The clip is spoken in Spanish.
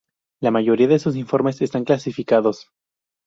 La mayoría de sus informes están clasificados.